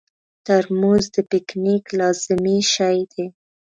ترموز د پکنیک لازمي شی دی.